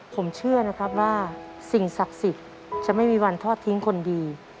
ผมเชื่อนะครับว่าสิ่งศักดิ์สิทธิ์จะไม่มีวันทอดทิ้งคนดี